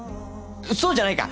そうじゃないか。